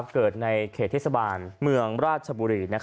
เกิดในเขตเทศบาลเมืองราชบุรี